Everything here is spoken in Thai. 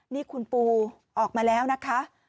นี่คุณปูออกมาแล้วนะคะ